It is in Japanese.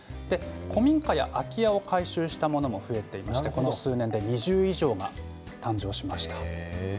古民家や空き家を改修したものも増えていましてこの数年で２０以上が誕生しました。